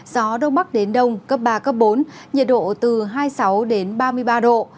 gió đông bắc đến đông cấp ba bốn nhiệt độ từ hai mươi sáu ba mươi ba độ